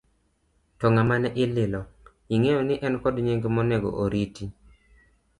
To ng'ama ne ililo, ing'eyo ni en koda nying' monego oriti?